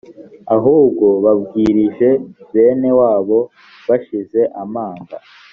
ahubwo babwirije bene wabo bashize amanga